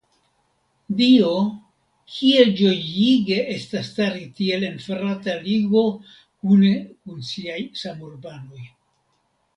Dio, kiel ĝojige estas stari tiel en frata ligo kune kun siaj samurbanoj!